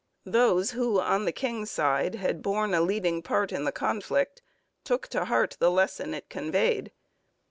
Those who on the king's side had borne a leading part in the conflict took to heart the lesson it conveyed.